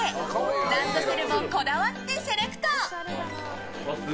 ランドセルもこだわってセレクト。